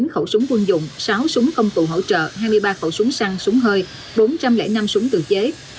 hai mươi chín khẩu súng quân dụng sáu súng công tụ hỗ trợ hai mươi ba khẩu súng săn súng hơi bốn trăm linh năm súng tự chế